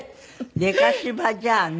でか柴じゃあね。